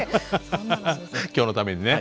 今日のためにね！